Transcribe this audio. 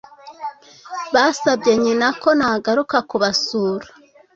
basabye nyina ko nagaruka kubasura